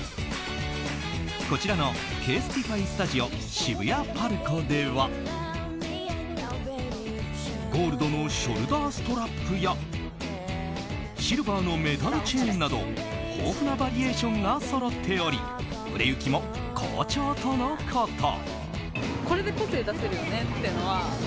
こちらの、ＣＡＳＥＴｉＦＹＳＴＵＤｉＯの渋谷ＰＡＲＣＯではゴールドのショルダーストラップやシルバーのメタルチェーンなど豊富なバリエーションがそろっており売れ行きも好調とのこと。